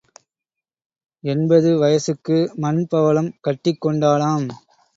எண்பது வயசுக்கு மண் பவளம் கட்டிக் கொண்டாளாம்.